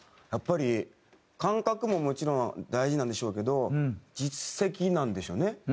やっぱり感覚ももちろん大事なんでしょうけど実績なんでしょうね。